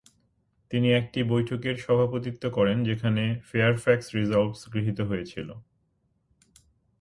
তিনি একটি বৈঠকের সভাপতিত্ব করেন, যেখানে "ফেয়ারফ্যাক্স রিসলভস" গৃহীত হয়েছিল।